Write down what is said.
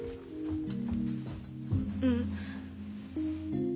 うん。